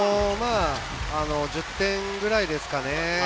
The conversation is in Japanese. １０点くらいですかね。